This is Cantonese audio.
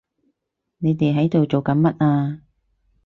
你哋喺度做緊乜啊？